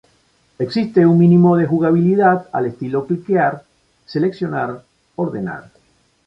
Existe un mínimo de jugabilidad al estilo "clickear-seleccionar-ordenar".